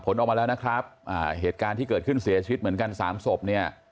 ผลออกมาแล้วนะครับอ่าเหตุการณ์ที่เกิดขึ้นเสียชีวิตเหมือนกันสามศพเนี่ย